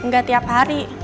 gak tiap hari